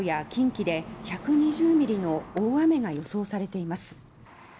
九州南部や近畿で１２０ｍｍの大雨が予想されています。